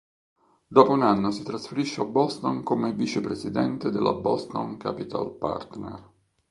Dopo un anno si trasferisce a Boston come vice presidente della Boston Capital Partner.